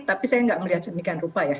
tapi saya nggak melihat sedemikian rupa ya